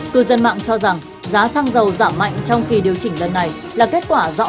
cư dân mạng cho rằng giá xăng dầu giảm mạnh trong kỳ điều chỉnh lần này là kết quả rõ